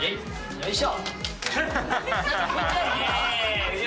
よいしょ！